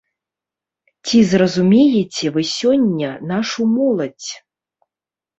Ці зразумееце вы сёння нашу моладзь?